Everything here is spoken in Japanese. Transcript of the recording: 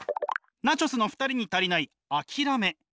ナチョス。の２人に足りない諦め。